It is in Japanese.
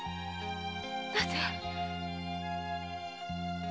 なぜ？